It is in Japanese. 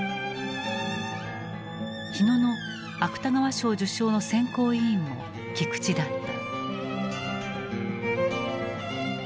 火野の芥川賞受賞の選考委員も菊池だった。